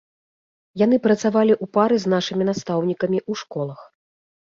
Яны працавалі ў пары з нашымі настаўнікамі ў школах.